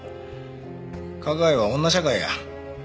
花街は女社会や。